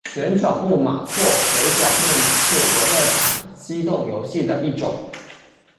旋转木马或回转木马是游乐场机动游戏的一种。